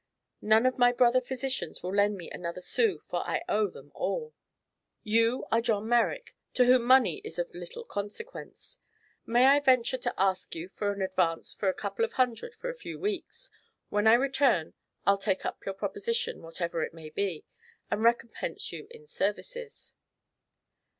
None of my brother physicians will lend me another sou, for I owe them all. You are John Merrick, to whom money is of little consequence. May I venture to ask you for an advance of a couple of hundred for a few weeks? When I return I'll take up your proposition, whatever it may be, and recompense you in services."